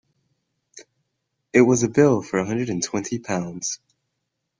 It was a bill for a hundred and twenty pounds.